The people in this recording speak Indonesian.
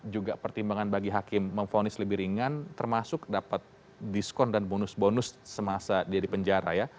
juga pertimbangan bagi hakim memfonis lebih ringan termasuk dapat diskon dan bonus bonus semasa dia di penjara ya